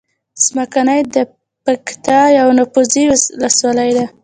څمکنی دپکتیا یوه نفوسې ولسوالۍ ده.